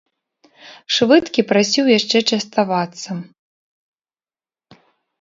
Швыдкі прасіў яшчэ частавацца.